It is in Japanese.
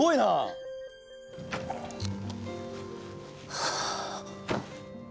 はあ。